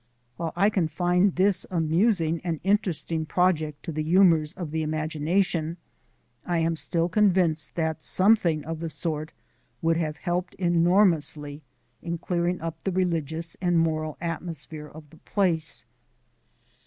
While I confined this amusing and interesting project to the humours of the imagination I am still convinced that something of the sort would have helped enormously in clearing up the religious and moral atmosphere of the place.